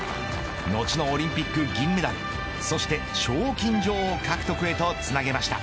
後のオリンピック銀メダルそして賞金女王獲得へとつなげました。